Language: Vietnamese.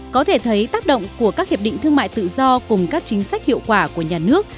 có thể thấy tác động của các hiệp định thương mại tự do cùng các chính sách hiệu quả của nhà nước